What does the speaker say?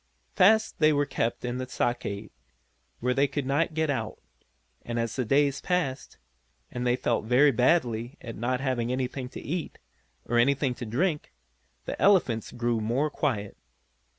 Fast they were kept in the stockade, where they could not get out, and as the days passed, and they felt very badly at not having anything to eat, or anything to drink, the elephants grew more quiet.